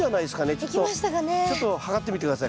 ちょっと測ってみて下さい。